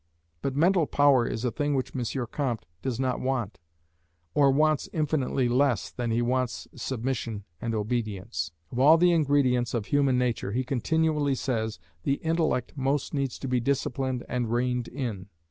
But mental power is a thing which M. Comte does not want or wants infinitely less than he wants submission and obedience. Of all the ingredients of human nature, he continually says, the intellect most needs to be disciplined and reined in.